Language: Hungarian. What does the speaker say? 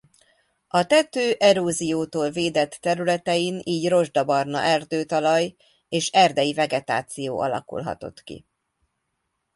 A tető eróziótól védett területein így rozsdabarna erdőtalaj és erdei vegetáció alakulhatott ki.